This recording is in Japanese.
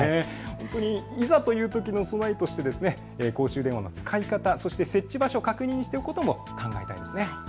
いざというときの備えとして公衆電話の使い方、そして設置場所を確認しておくことも考えたいですね。